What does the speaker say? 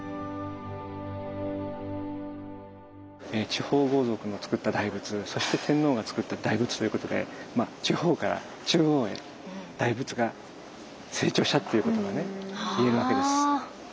地方豪族のつくった大仏そして天皇がつくった大仏ということで地方から中央へ大仏が成長したっていうことがね言えるわけです。